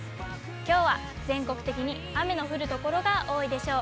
きょうは全国的に雨の降る所が多いでしょう。